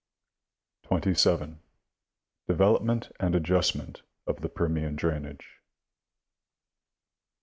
27. Development and adjustment of the Perm, ian drainage.